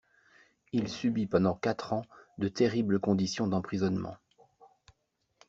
Il subit pendant quatre ans de terribles conditions d'emprisonnement.